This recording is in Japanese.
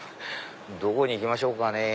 どこに行きましょうかねぇ。